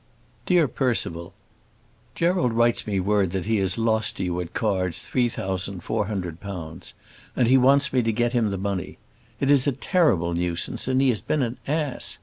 DEAR PERCIVAL, Gerald writes me word that he has lost to you at cards £3,400, and he wants me to get him the money. It is a terrible nuisance, and he has been an ass.